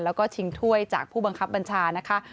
แล้วก็ชิงถ้วยจากผู้บังคับบัญชานะคะ